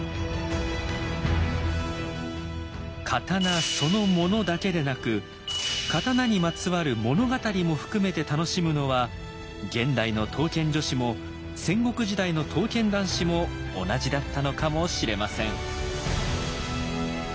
刀その「物」だけでなく刀にまつわる「物語」も含めて楽しむのは現代の刀剣女子も戦国時代の刀剣男子も同じだったのかもしれません。